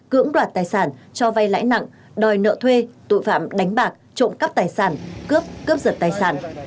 cưỡng đoạt tài sản cho vay lãi nặng đòi nợ thuê tội phạm đánh bạc trộm cắp tài sản cướp cướp giật tài sản